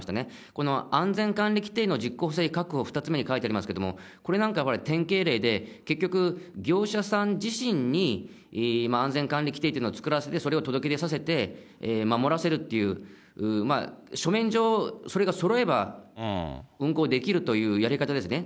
この安全管理規程の実効性確保、２つ目に書いてありますけれども、これなんか、典型例で、結局、業者さん自身に安全管理規程というのを作らせて、それを届け出させて、守らせるっていう、書面上、それがそろえば運航できるというやり方ですね。